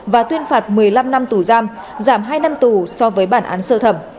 và tuyên phạt một mươi năm năm tù giam giảm hai năm tù so với bản án sơ thẩm